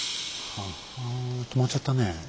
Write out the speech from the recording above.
はぁ止まっちゃったねえ。